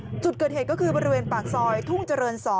จุดเกิดเหตุก็คือบริเวณปากซอยทุ่งเจริญ๒